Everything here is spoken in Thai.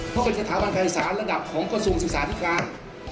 เพราะเป็นสถาบันภัยศาลระดับของกระทรวงศึกษาธิการ